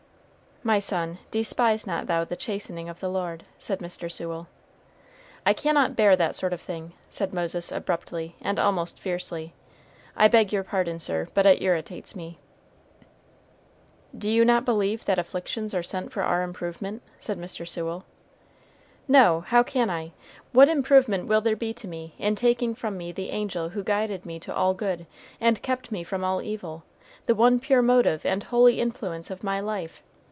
"'My son, despise not thou the chastening of the Lord,'" said Mr. Sewell. "I cannot bear that sort of thing," said Moses abruptly, and almost fiercely. "I beg your pardon, sir, but it irritates me." "Do you not believe that afflictions are sent for our improvement?" said Mr. Sewell. "No! how can I? What improvement will there be to me in taking from me the angel who guided me to all good, and kept me from all evil; the one pure motive and holy influence of my life?